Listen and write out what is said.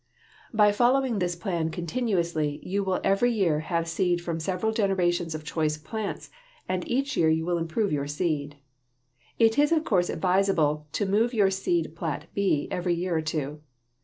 By following this plan continuously you will every year have seed from several generations of choice plants, and each year you will improve your seed. It is of course advisable to move your seed plat B every year or two.